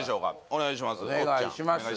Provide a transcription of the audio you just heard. お願いします